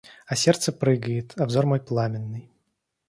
А сердце прыгает, а взор мой пламенный.